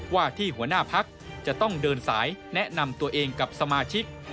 ว่าที่หัวหน้าพักจะต้องเดินสายแนะนำตัวเองกับสมาชิก